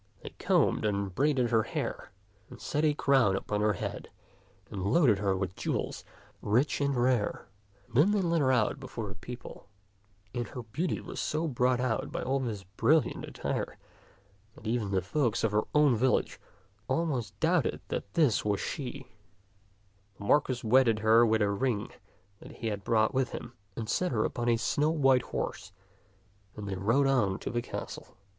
They combed and braided her hair and set a crown upon her head and loaded her with jewels rich and rare. Then they led her out before the people; and her beauty was so brought out by all this brilliant attire that even the folk of her own village almost doubted that this was she. The Marquis wedded her with a ring that he had brought with him, and set her upon a snow white horse, and they rode on to the castle.